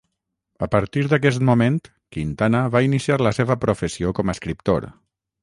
A partir d'aquest moment, Quintana va iniciar la seva professió com a escriptor.